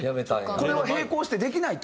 これは並行してできないと？